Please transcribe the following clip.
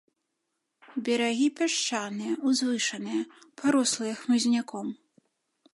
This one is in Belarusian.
Берагі пясчаныя, узвышаныя, парослыя хмызняком.